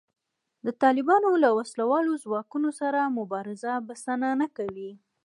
د طالبانو له وسله والو ځواکونو سره مبارزه بسنه نه کوي